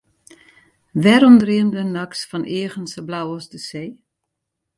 Wêrom dreamde er nachts fan eagen sa blau as de see?